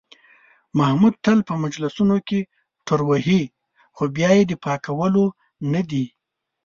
محمود تل په مجلسونو کې ټروهي، خو بیا یې د پاکولو نه دي.